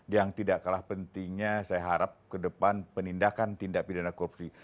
yang tidak kalah pentingnya saya harap ke depan penindakan tindak pidana korupsi